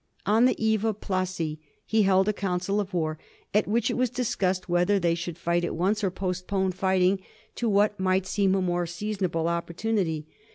On the eve of Plassey he held a council of war at which it was discussed whether they should flght at once or postpone fighting to what might seem a more seasonable opportunity.